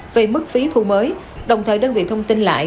về mức phí thu mới đồng thời đơn vị thông tin lại